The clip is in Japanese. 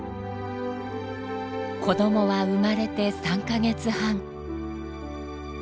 子どもは生まれて３か月半。